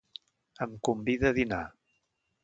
Em convida a dinar.